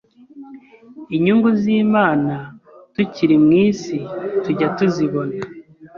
Inyungu z’Imana tukiri mu isi tujya tuzibona